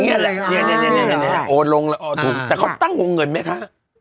นี่แหละโอนลงละออถูกแต่เขาตั้งวงเงินไหมคะ